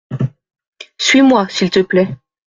Suis-moi s’il te plait .